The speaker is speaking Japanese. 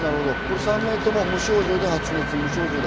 ３名とも無症状で発熱。